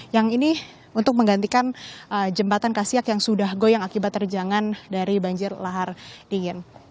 yang ini untuk menggantikan jembatan kasiak yang sudah goyang akibat terjangan dari banjir lahar dingin